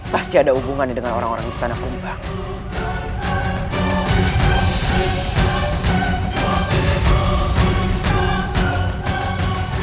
pasti ada hubungan dengan orang orang istana kumbang